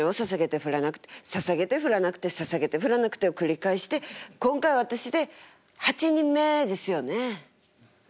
ささげて降らなくてささげて降らなくてを繰り返して今回私で８人目ですよね。